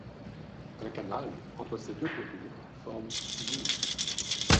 Un canal entre ces deux cours d'eau forment une île.